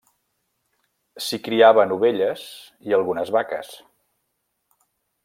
S'hi criaven ovelles i algunes vaques.